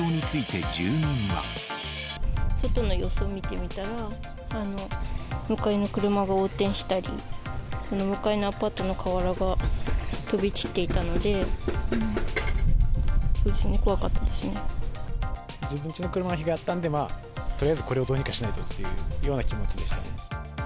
外の様子を見てみたら、向かいの車が横転したり、その向かいのアパートの瓦が飛び散っていたので、自分ちの車が被害に遭ったので、とりあえずこれをどうにかしないとっていうような気持ちでしたね。